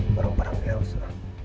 berang berang di elsa